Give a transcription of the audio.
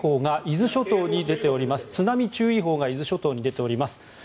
津波注意報が伊豆諸島に出ております。